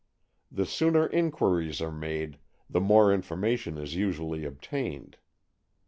The sooner inquiries are made, the more information is usually obtained.